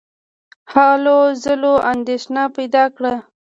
هلو ځلو اندېښنه پیدا کړه.